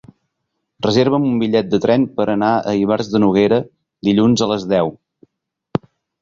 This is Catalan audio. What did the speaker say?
Reserva'm un bitllet de tren per anar a Ivars de Noguera dilluns a les deu.